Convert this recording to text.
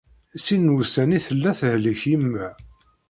Sin n wussan i tella tehlek yemma.